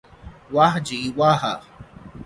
واہ جی واہ